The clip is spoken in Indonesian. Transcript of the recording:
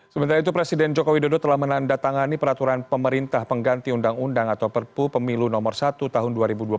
sementara itu presiden joko widodo telah menandatangani peraturan pemerintah pengganti undang undang atau perpu pemilu nomor satu tahun dua ribu dua puluh